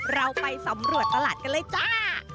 เราไปสำรวจตลาดกันเลยจ้า